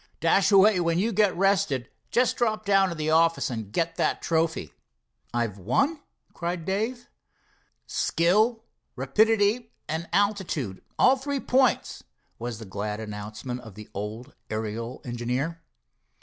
"Dashaway, when you get rested just drop down to the office and get that trophy." "I've won?" cried Dave. "Skill, rapidity and altitude—all three points," was the glad announcement of the old aerial engineer.